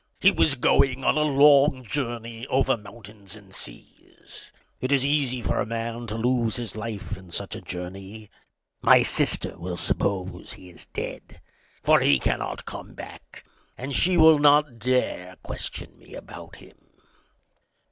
He was going on a long journey over mountains and seas; it is easy for a man to lose his life in such a journey. My sister will suppose he is dead; for he cannot come back, and she will not dare to question me about him."